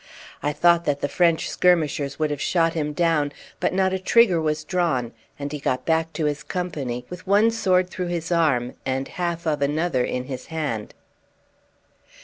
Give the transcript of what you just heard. I thought that the French skirmishers would have shot him down, but not a trigger was drawn, and he got back to his company with one sword through his arm and half of another in his hand.